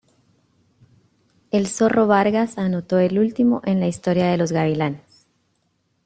El "Zorro" Vargas anotó el último en la historia de los "Gavilanes".